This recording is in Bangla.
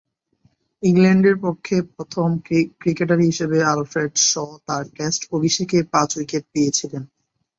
ইংল্যান্ডের পক্ষে প্রথম ক্রিকেটার হিসেবে আলফ্রেড শ তার টেস্ট অভিষেকে পাঁচ-উইকেট পেয়েছিলেন।